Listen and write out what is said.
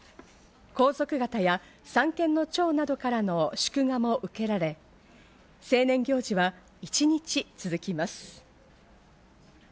皇族方や三権の長などからの祝賀も受けられ、成年行事は一日続きます。